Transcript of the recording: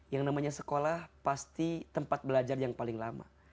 yang namanya sekolah pasti tempat belajar yang paling lama